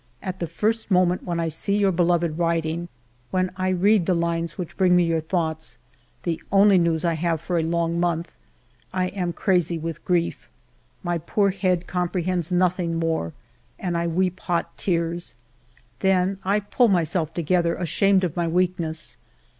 At the first moment when I see your beloved writing, when I read the lines which bring me your thoughts, — ALFRED DREYFUS 205 the only news I have for a long month, — I am crazy with grief; my poor head comprehends nothing more, and I weep hot tears. Then I pull myself together, ashamed of my weakness.